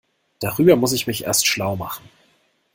Darüber muss ich mich erst schlau machen.